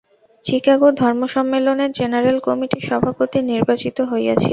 চিকাগো ধর্মসম্মেলনের জেনারেল কমিটির সভাপতি নির্বাচিত হইয়াছিলেন।